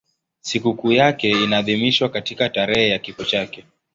Sikukuu yake inaadhimishwa katika tarehe ya kifo chake.